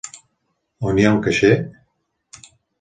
On hi ha un caixer?